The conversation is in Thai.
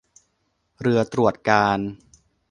เรือตรวจการณ์